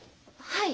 はい。